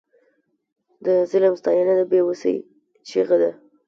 د ظالم ستاینه د بې وسۍ چیغه ده.